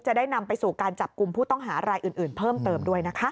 ได้นำไปสู่การจับกลุ่มผู้ต้องหารายอื่นเพิ่มเติมด้วยนะคะ